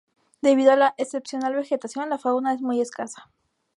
Debido a la excepcional vegetación, la fauna es muy escasa.